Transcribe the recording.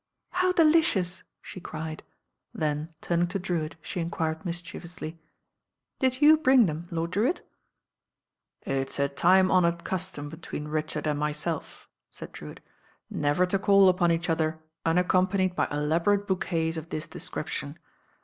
"How delicious," she cried, then turning to Drewitt she enquired mischievously, "Did you bring them. Lord Drewitt?" "It is a time honoured custom between Richard and myself," said Drewitt, "never to call upon each other unaccompanied by elaborate bouquets of thia description.